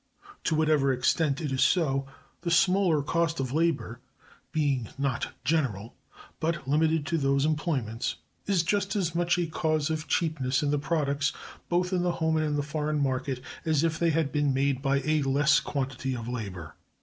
To whatever extent it is so, this smaller cost of labor, being not general, but limited to those employments, is just as much a cause of cheapness in the products, both in the home and in the foreign market, as if they had been made by a less quantity of labor.